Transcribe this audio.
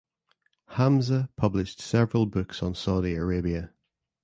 Hamza published several books on Saudi Arabia.